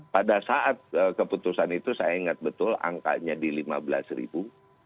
pada saat keputusan itu saya ingat betul angkanya di lima belas ribu